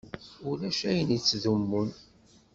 Ulac ayen yettdumun.